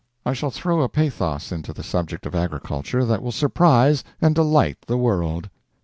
I shall throw a pathos into the subject of Agriculture that will surprise and delight the world.